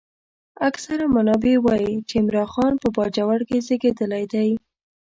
اکثر منابع وايي چې عمرا خان په باجوړ کې زېږېدلی دی.